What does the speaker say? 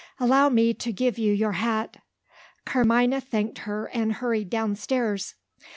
Allow me to give you your hat." Carmina thanked her, and hurried downstairs.